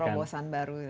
semacam perobosan baru ya